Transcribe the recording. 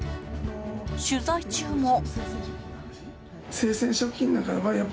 取材中も。